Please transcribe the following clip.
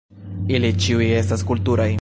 Ili ĉiuj estas kulturaj.